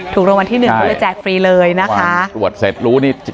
ถูกรางวัลที่หนึ่งก็เลยแจกฟรีเลยนะคะตรวจเสร็จรู้นี่